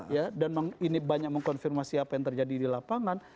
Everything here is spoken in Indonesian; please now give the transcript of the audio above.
ya dan ini banyak mengkonfirmasi apa yang terjadi di lapangan